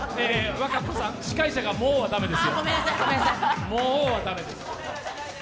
和歌子さん、司会者が「もう」は駄目ですよ。